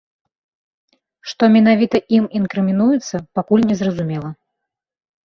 Што менавіта ім інкрымінуецца, пакуль незразумела.